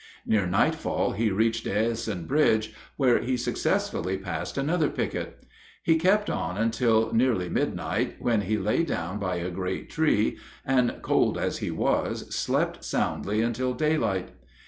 Near nightfall he reached Diasen Bridge, where he successfully passed another picket. He kept on until nearly midnight, when he lay down by a great tree and, cold as he was, slept soundly until daylight.